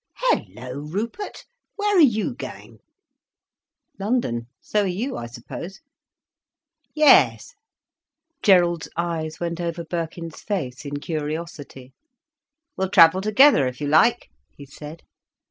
"Hallo, Rupert, where are you going?" "London. So are you, I suppose." "Yes—" Gerald's eyes went over Birkin's face in curiosity. "We'll travel together if you like," he said.